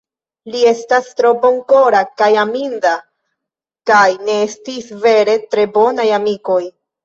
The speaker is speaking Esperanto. Li estas tro bonkora kaj aminda; kaj ne estis vere tre bonaj amikoj.